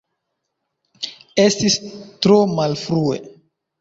Estis tro malfrue.